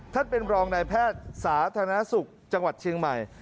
ท่านเป็นรองนายแพทย์สาธารณสุขจังหวัดเชียงใหม่